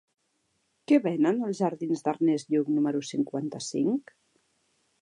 Què venen als jardins d'Ernest Lluch número cinquanta-cinc?